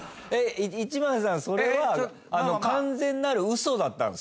１番さんそれは完全なるウソだったんですか？